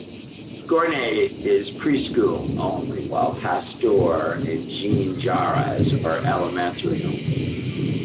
Gournay is preschool only, while Pasteur and Jean Jaures are elementary only.